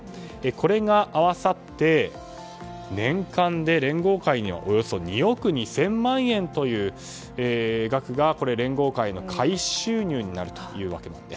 これが合わさって年間で連合会にはおよそ２億２０００万円という額が連合会の会費収入になると。